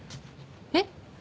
えっ？